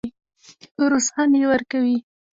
روسان یې ورکوي.